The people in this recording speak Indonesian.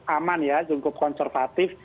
aman ya cukup konservatif